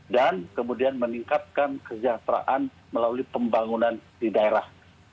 dan kemudian meningkatkan kejahteraan melalui pembangunan di daerah